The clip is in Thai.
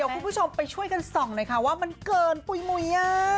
คุณผู้ชมไปช่วยกันส่องหน่อยค่ะว่ามันเกินปุ๋ยมุ้ย